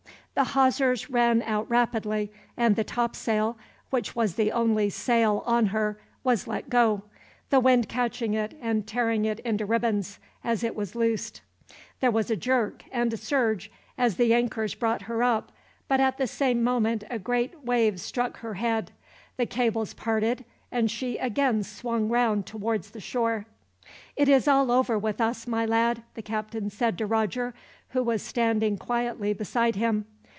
The hawsers ran out rapidly, and the topsail, which was the only sail on her, was let go, the wind catching it and tearing it into ribbons as it was loosed. There was a jerk and a surge as the anchors brought her up, but at the same moment a great wave struck her head. The cables parted, and she again swung round towards the shore. "It is all over with us, my lad," the captain said to Roger, who was standing quietly beside him.